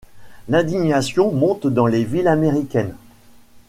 L'indignation monte dans les villes américaines.